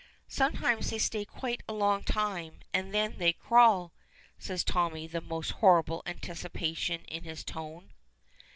"Sometimes they stay quite a long time, and then they crawl!" says Tommy, the most horrible anticipation in his tone.